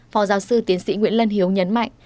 phó giáo sư tiến sĩ nguyễn lân hiếu nhấn mạnh